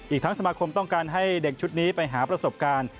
อีกทั้งสมาคมต้องการให้เด็กชุดนี้ไปหาประสบการณ์